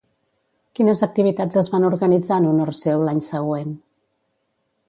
Quines activitats es van organitzar en honor seu l'any següent?